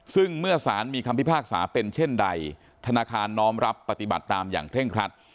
ซึ่งเมื่อสารมีคำพิพากษาเป็นเช่นใดธนาคารน้อมรับปฏิบัติตามอย่างเคร่งครัด